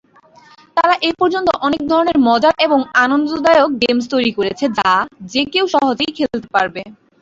তারা এ পর্যন্ত অনেক ধরনের মজার এবং আনন্দদায়ক গেমস তৈরি করেছে যা যে কেউ সহজেই খেলতে পারবে।